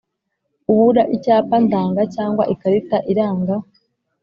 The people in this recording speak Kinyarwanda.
Kubura icyapa ndanga cyangwa ikarita iranga